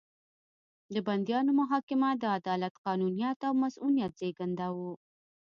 د بندیانو محاکمه د عدالت، قانونیت او مصونیت زېږنده وو.